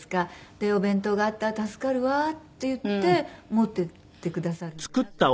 で「お弁当があったら助かるわ」って言って持っていってくださるんですよ。